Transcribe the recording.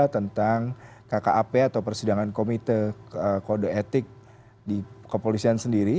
tentang kkap atau persidangan komite kode etik di kepolisian sendiri